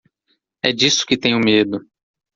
É disso que tenho medo.